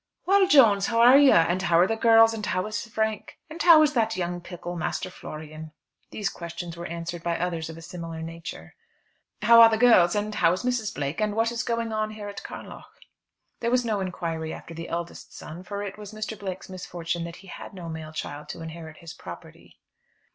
"Well, Jones, how are you; and how are the girls, and how is Frank, and how is that young pickle, Master Florian?" These questions were answered by others of a similar nature. "How are the girls, and how is Mrs. Blake, and what is going on here at Carnlough?" There was no inquiry after the eldest son, for it was Mr. Blake's misfortune that he had no male child to inherit his property.